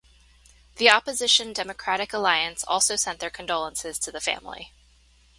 The opposition Democratic Alliance also sent their condolences to the family.